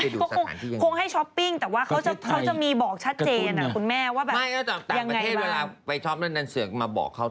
ให้ดิวสถานที่คงให้ช้อปปิ้งแต่ว่าเขาจะมีบอกชัดเจนนะคุณแม่